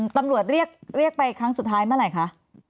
ตำรวจเรียกไปครั้งสุดท้ายเมื่อไหร่คะ